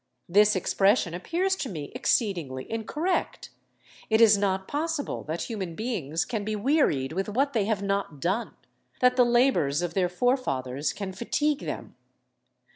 This expression appears to me exceedingly incorrect. It is not possible that human beings can be wearied with what they have not done that the labours of their forefathers can fatigue them.